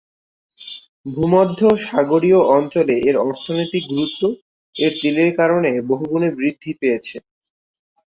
ভূমধ্যসাগরীয় অঞ্চলে এর অর্থনৈতিক গুরুত্ব এর তেলের কারণে বহুগুণে বৃদ্ধি পেয়েছে।